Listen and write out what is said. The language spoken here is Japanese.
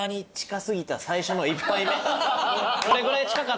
これぐらい近かったです。